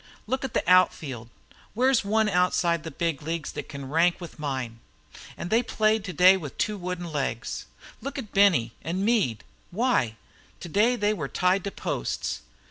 Look at the out field. Where's one outside of the big leagues thet can rank with mine? An' they played today with two wooden legs. Look at Benny an' Meade why, today they were tied to posts.